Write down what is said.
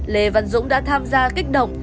lê văn dũng đã tham gia kích động